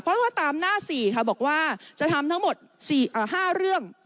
เพราะว่าตามหน้า๔ค่ะบอกว่าจะทำทั้งหมด๕เรื่อง